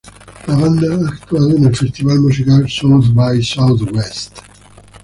La banda ha actuado en el festival musical South by Southwest.